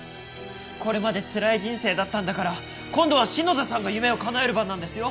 これまでつらい人生だったんだから今度は篠田さんが夢をかなえる番なんですよ。